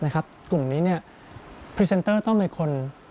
กลุ่มนี้พรีเซนเตอร์ต้องเป็นคน